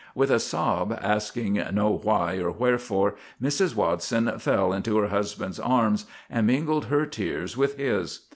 With a sob, asking no why or wherefore, Mrs. Watson fell into her husband's arms and mingled her tears with his.